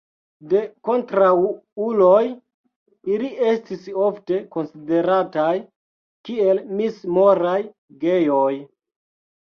De kontraŭuloj ili estis ofte konsiderataj kiel mis-moraj gejoj.